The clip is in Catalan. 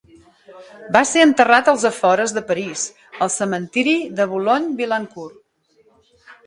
Va ser enterrat als afores de París, al cementiri de Boulogne-Billancourt.